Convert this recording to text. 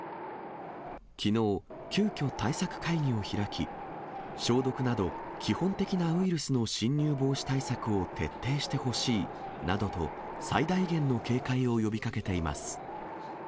きのう、急きょ対策会議を開き、消毒など基本的なウイルスの侵入防止対策を徹底してほしいなどと、最大限の警戒を呼びかけています。